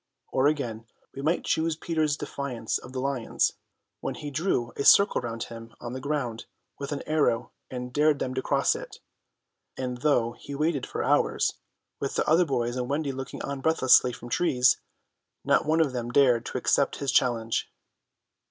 Or again, we might choose Peter's defiance of the lions, when he drew a circle round him on the ground with an arrow and dared them to cross it; and though he waited for hours, with the other boys and Wendy looking on breathlessly from trees, not one of them dared to accept his challenge.